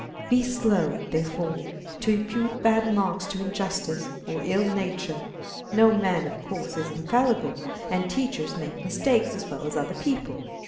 Be slow, therefore, to impute bad marks to injustice, or ill nature. No man of course is infallible, and teachers make mistakes as well as other people.